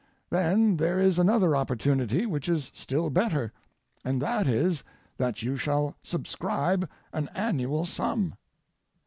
Then, there is another opportunity which is still better, and that is that you shall subscribe an annual sum.